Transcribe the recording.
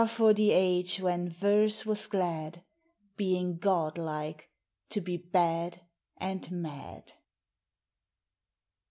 for the age when verse was glad, Being godlike, to be bad and mad.